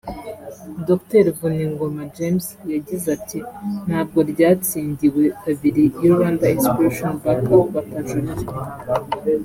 Dr Vuningoma James yagize ati ”Ntabwo ryatsindiwe kabiri iyo Rwanda Inspiration Back Up batajurira